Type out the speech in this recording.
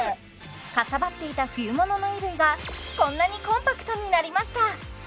かさばっていた冬物の衣類がこんなにコンパクトになりました